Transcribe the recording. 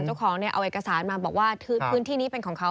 เจ้าของเนี่ยเอาเอกสารมาบอกว่าพื้นที่นี้เป็นของเขา